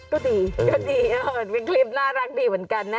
ก็ดีก็ดีเป็นคลิปน่ารักดีเหมือนกันนะ